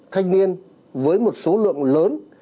thanh niên với một số lượng lớn